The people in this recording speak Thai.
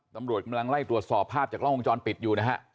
ตำรวจกำลังไล่ตรวจสอบภาพจากกล้องวงจรปิดอยู่นะฮะ